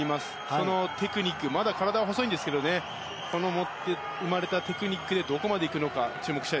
そのテクニックまだ体は細いんですけどこの生まれ持ったテクニックでどこまでいくのか。